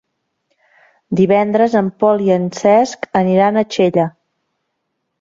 Divendres en Pol i en Cesc aniran a Xella.